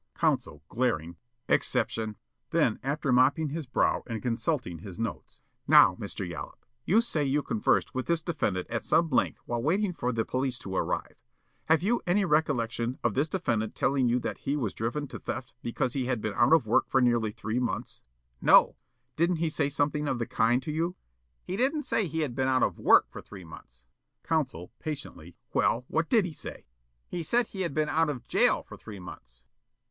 Counsel, glaring: "Exception." Then, after mopping his brow and consulting his notes: "Now, Mr. Yollop, you say you conversed with this defendant at some length while waiting for the police to arrive. Have you any recollection of this defendant telling you that he was driven to theft because he had been out of work for nearly three months?" Yollop: "No." Counsel: "Didn't he say something of the kind to you?" Yollop: "He didn't say he had been out of WORK for three months." Counsel, patiently: "Well, what did he say?" Yollop: "He said he had been out of jail for three months."